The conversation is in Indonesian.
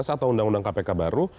atau undang undang kpk baru